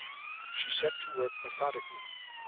She set to work methodically.